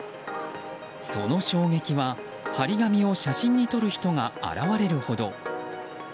その衝撃は、貼り紙を写真に撮る人が現れるほど。